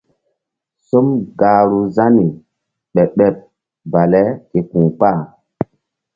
Som gahru Zani ɓeɓ ɓeɓ bale ke ku̧ kpah.